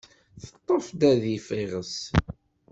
Teṭṭef-d adif iɣes.